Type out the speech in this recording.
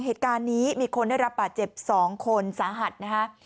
เหตุการณ์นี้มีคนได้รับบาดเจ็บ๒คนสาหัสนะคะ